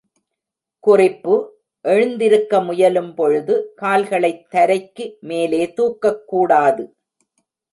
குறிப்பு எழுந்திருக்க முயலும் பொழுது, கால்களைத் தரைக்கு மேலே தூக்கக்கூடாது.